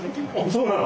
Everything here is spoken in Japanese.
そうなの？